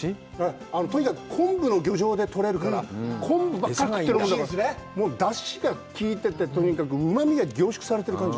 とにかく昆布の漁場で取れるから昆布ばっかり食ってるもんだから、出汁がきいてて、とにかくうまみが凝縮されてる感じ。